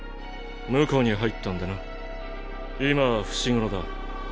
婿に入ったんでな今は伏黒だ。